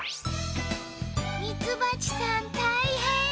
ミツバチさんたいへん。